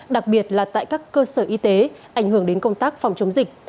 đặc biệt là tại các cơ sở y tế ảnh hưởng đến công tác phòng chống dịch